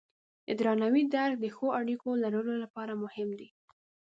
د درناوي درک د ښو اړیکو لرلو لپاره مهم دی.